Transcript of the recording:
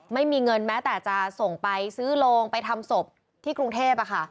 ไม่มีเงินแม้แต่จะส่งไปซื้อโรงไปทำศพที่กรุงเทพ